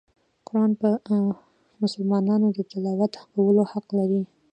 قرآن په مسلمانانو د تلاوت کولو حق لري.